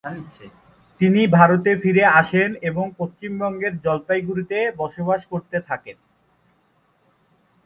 তিনি ভারতে ফিরে আসেন এবং পশ্চিমবঙ্গের জলপাইগুড়িতে বসবাস করতে থাকেন।